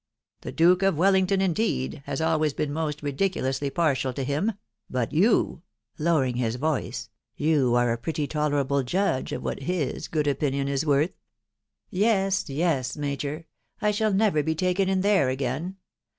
The Duke of Wellington, indeed, has always been most ridiculously partial to him ; but you," lowering his voice, " you are a pretty tolerable judge of what his good opinion is worth." "Yes, yes, major .... I shall never be taken in there again